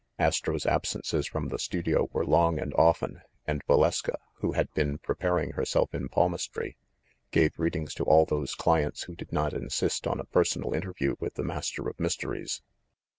Astro's absences from the studio were long and often, and Valeska, who had been preparing herself in palmistry, gave readings to all those clients who did not insist on a personal interview with the Master of Mysteries.